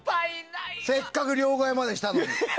せっかく両替までしたのに。